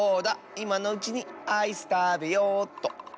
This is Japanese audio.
いまのうちにアイスたべようっと。